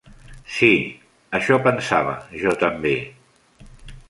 Sí, això pensava jo també.